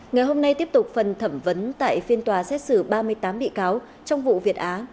ngày hôm nay tiếp tục phần thẩm vấn tại phiên tòa xét xử ba mươi tám bị cáo trong vụ việt á